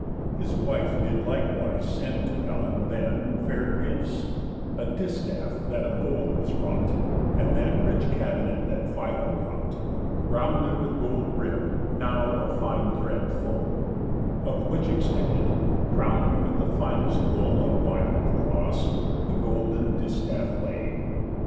His wife did likewise send to Helen then Fair gifts, a distaff that of gold was wrought, And that rich cabinet that Phylo brought, Round, and with gold ribb'd, now of fine thread full; On which extended (crown'd with finest wool, Of violet gloss) the golden distaff lay.